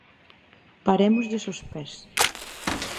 Parémoslles os pés.